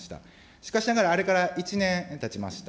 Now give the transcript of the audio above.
しかしながらあれから１年たちました。